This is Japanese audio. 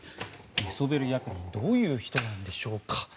寝そべり役人どういう人なんでしょうか。